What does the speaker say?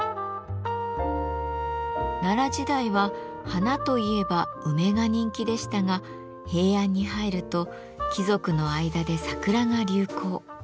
奈良時代は花といえば梅が人気でしたが平安に入ると貴族の間で桜が流行。